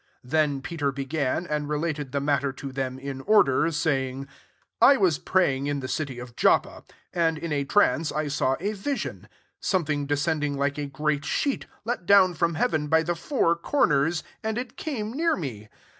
4 Then Peter be gan, and related Me matter to them in order, saying, 5 " I was praying in the city of Jop pa; and in a trance I saw a vi* sion; something descending like a great sheet, let down from heaven by the four comers : and it came near me.